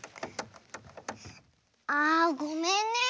あごめんね。